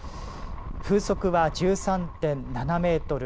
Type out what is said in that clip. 風速は１３．７メートル